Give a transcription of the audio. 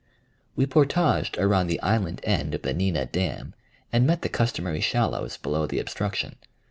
We portaged around the island end of the Neenah dam and met the customary shallows below the obstruction.